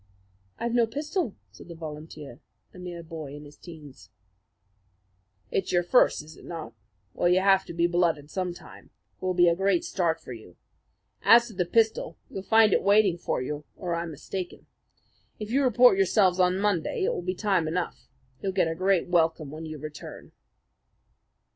"I've no pistol," said the volunteer, a mere boy in his teens. "It's your first, is it not? Well, you have to be blooded some time. It will be a great start for you. As to the pistol, you'll find it waiting for you, or I'm mistaken. If you report yourselves on Monday, it will be time enough. You'll get a great welcome when you return."